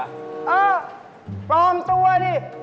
เออปลอมตัวดิ